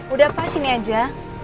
udah pas ini aja